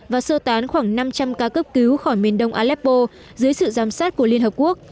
và sơ tán khoảng năm trăm linh ca cấp cứu khỏi miền đông aleppo dưới sự giám sát của liên hợp quốc